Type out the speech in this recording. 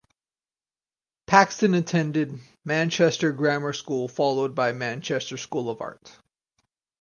Paxton attended Manchester Grammar School followed by Manchester School of Art.